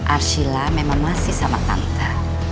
arshila memang masih sama tante